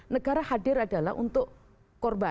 negara hadir adalah untuk korban